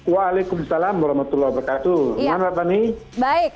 waalaikumsalam warahmatullahi wabarakatuh selamat malam raffani